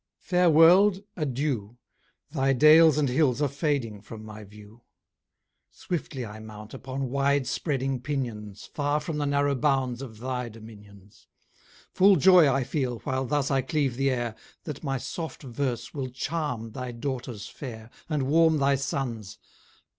Fair world, adieu! Thy dales, and hills, are fading from my view: Swiftly I mount, upon wide spreading pinions, Far from the narrow bounds of thy dominions. Full joy I feel, while thus I cleave the air, That my soft verse will charm thy daughters fair, And warm thy sons!"